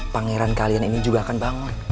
pangeran kalian ini juga akan bangun